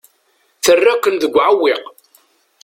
Terra-ken deg uɛewwiq.